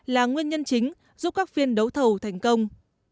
là nguyên nhân chính giúp các phiên đấu thầu thành công